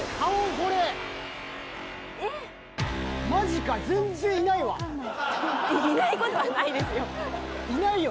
これマジか全然いないわいないことはないですよいないよ